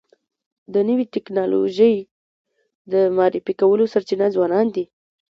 د نوې ټکنالوژی د معرفي کولو سرچینه ځوانان دي.